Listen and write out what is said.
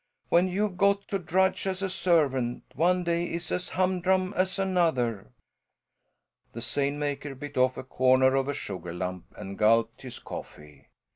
"When you've got to drudge as a servant, one day is as humdrum as another." The seine maker bit off a corner of a sugar lump and gulped his coffee.